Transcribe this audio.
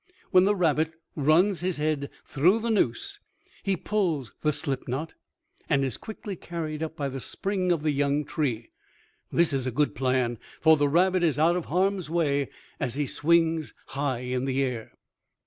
When the rabbit runs his head through the noose, he pulls the slip knot and is quickly carried up by the spring of the young tree. This is a good plan, for the rabbit is out of harm's way as he swings high in the air.